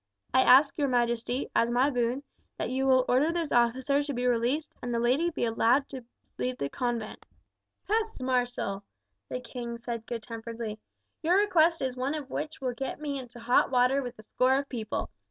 I ask your majesty, as my boon, that you will order this officer to be released and the lady to be allowed to leave the convent." "Peste, marshal!" the king said good temperedly; "your request is one of which will get me into hot water with a score of people.